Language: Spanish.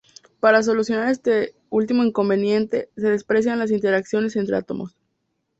Para solucionar este último inconveniente se desprecian las interacciones entre átomos.